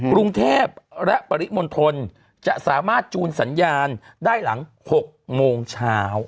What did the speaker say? กรุงเทพและปริมณฑลจะสามารถจูนสัญญาณได้หลัง๖โมงเช้า